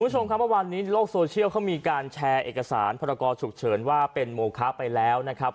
คุณผู้ชมครับเมื่อวานนี้โลกโซเชียลเขามีการแชร์เอกสารพรกรฉุกเฉินว่าเป็นโมคะไปแล้วนะครับ